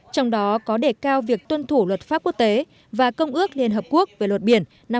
trong đó có đề cao việc tuân thủ luật pháp quốc tế và công ước liên hợp quốc về luật bản